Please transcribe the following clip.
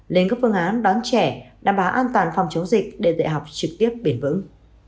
lên các phương án đón trẻ đảm bảo an toàn phòng chống dịch để dạy học trực tiếp bền vững